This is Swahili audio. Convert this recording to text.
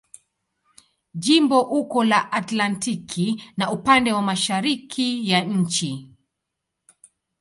Jimbo uko la Atlantiki na upande wa mashariki ya nchi.